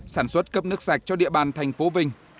sản xuất cấp nước sạch cho địa bàn thành phố vinh